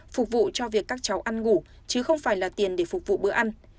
phục vụ cho việc các cháu ăn ngủ chứ không phải là tiền để phục vụ bữa ăn